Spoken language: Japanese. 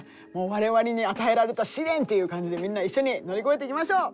我々に与えられた試練っていう感じでみんな一緒に乗り越えていきましょう！